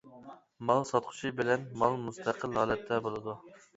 مال ساتقۇچى بىلەن مال مۇستەقىل ھالەتتە بولىدۇ.